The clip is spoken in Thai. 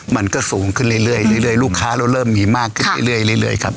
มันก็สูงขึ้นเรื่อยลูกค้าเราเริ่มมีมากขึ้นเรื่อยครับ